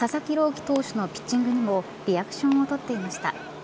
希投手のピッチングにもリアクションを取っていました。